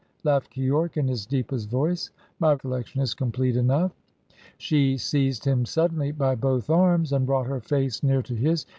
laughed Keyork in his deepest voice. "My collection is complete enough." She seized him suddenly by both arms, and brought her face near to his.